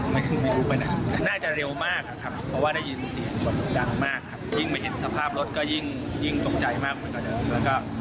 ไว้โชคดีที่มาริการ์